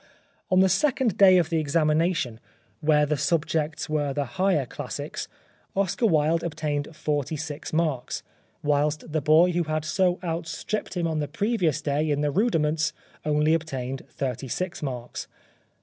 On the second day of the examination, where the subjects were the Higher Classics, Oscar Wilde obtained 46 marks ; whilst the boy who had so outstripped him on the previous day in the rudiments only obtained 36 marks.